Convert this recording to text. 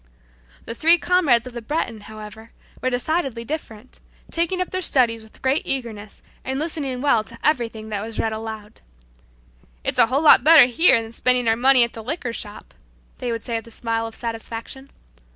The three comrades of the Breton, however, were decidedly different, taking up their studies with great eagerness and listening well to everything that was read aloud. "It's a whole lot better here than spending our money at the liquor shop," they would say with a smile of satisfaction.